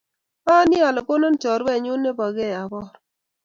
Ayani ale konon kacherunenyu nepo key abor.